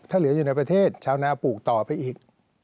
ถ้าเหลืออยู่ในประเทศชาวนาปลูกต่อไปอีก